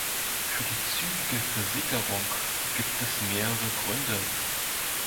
Für die zügige Versickerung gibt es mehrere Gründe.